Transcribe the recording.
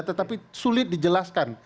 tetapi sulit dijelaskan